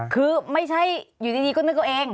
คือไม่ใช่อยู่ดีก็นึกตัวเอง